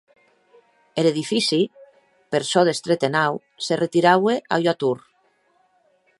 Er edifici, per çò d’estret e naut, se retiraue a ua tor.